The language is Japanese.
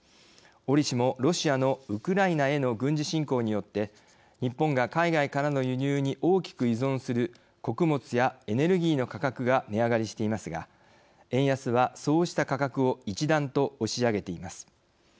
折しも、ロシアのウクライナへの軍事侵攻によって日本が海外からの輸入に大きく依存する穀物やエネルギーの価格が値上がりしていますが円安は、そうした価格を一段と押し上げています。